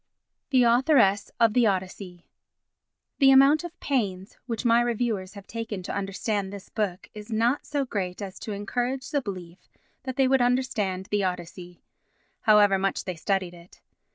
The Authoress of the Odyssey The amount of pains which my reviewers have taken to understand this book is not so great as to encourage the belief that they would understand the Odyssey, however much they studied it.